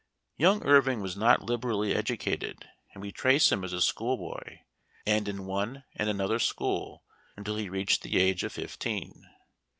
Young Irving was not liberally educated ; and we trace him as a school boy, and in one and another school, until he reached the age of fifteen.